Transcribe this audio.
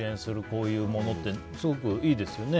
こういうものってすごくいいですよね。